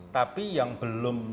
tapi yang belum